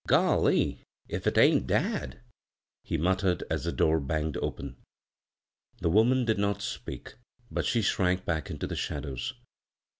" Golly I if it ain't dad," he muttered, as the door bang^ open. The woman did not speak, but she shrank back into the shadows.